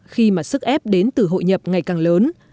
khi mà sức ép đến từ hội nhập ngày càng lớn